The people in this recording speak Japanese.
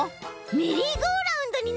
メリーゴーラウンドになりそう！